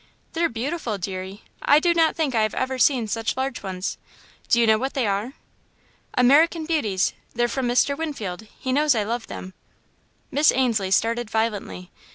"They're beautiful, deary. I do not think I have ever seen such large ones. Do you know what they are?" "American Beauties they're from Mr. Winfield. He knows I love them." Miss Ainslie started violently.